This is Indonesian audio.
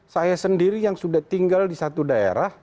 saya sendiri yang sudah tinggal di satu daerah